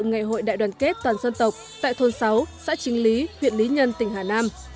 ngày hội đại đoàn kết toàn dân tộc tại thôn sáu xã chính lý huyện lý nhân tỉnh hà nam